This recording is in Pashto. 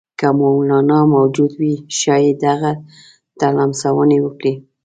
که مولنا موجود وي ښايي دغه ته لمسونې وکړي.